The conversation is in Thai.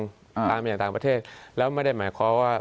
ตามมาจากต่างประเทศแล้วไม่ได้หมายความว่า